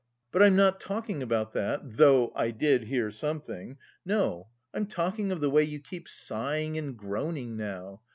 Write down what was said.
"But I'm not talking about that (though I did hear something). No, I'm talking of the way you keep sighing and groaning now.